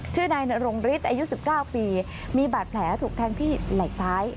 ชื่อนายนรงฤทธิ์อายุ๑๙ปีมีบาดแผลถูกแทงที่ไหล่ซ้าย